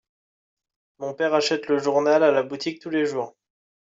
Mon père achète le journal à la boutique tous les jours.